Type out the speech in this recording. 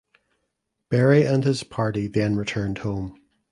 Berry and his party then returned home.